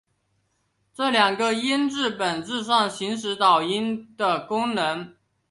这两个音本质上行使导音的功能。